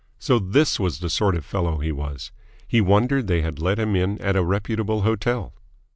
So this was the sort of fellow he was! He wondered they had let him in at a reputable hotel.